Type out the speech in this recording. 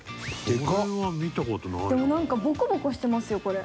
でも、なんかボコボコしてますよ、これ。